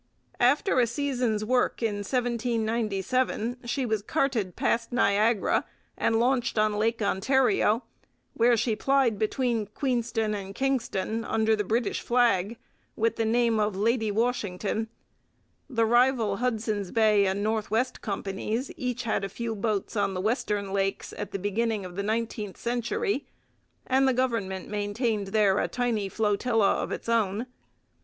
After a season's work in 1797 she was carted past Niagara and launched on Lake Ontario, where she plied between Queenston and Kingston under the British flag with the name of Lady Washington. The rival Hudson's Bay and North West Companies each had a few boats on the western Lakes at the beginning of the nineteenth century, and the government maintained there a tiny flotilla of its own.